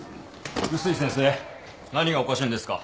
碓井先生何がおかしいんですか。